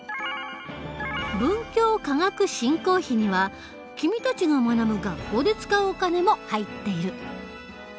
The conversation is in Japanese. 文教科学振興費には君たちが学ぶ学校で使うお金も入っている。